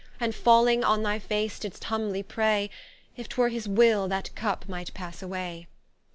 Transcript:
And falling on thy face didst humbly pray, If 'twere his Will that Cup might passe away.